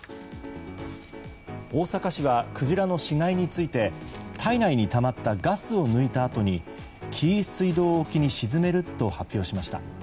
大阪市はクジラの死骸について体内にたまったガスを抜いたあとに紀伊水道沖に沈めると発表しました。